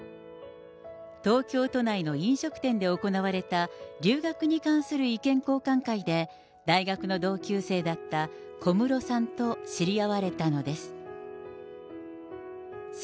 東京都内の飲食店で行われた、留学に関する意見交換会で、大学の同級生だった小室さんと知り合われたのです。